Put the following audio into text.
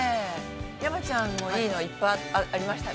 山ちゃんもいいのいっぱいありましたね。